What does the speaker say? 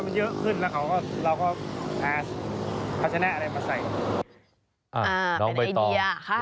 มันเยอะขึ้นแล้วของเดี๋ยวเราก็